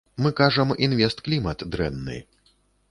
Мы кажам, інвестклімат дрэнны.